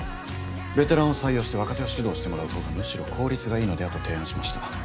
ベテランを採用して若手を指導してもらうほうがむしろ効率がいいのではと提案しました。